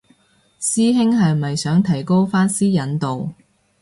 師兄係咪想提高返私隱度